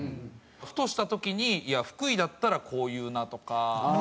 ふとした時に「いや福井だったらこう言うな」とか。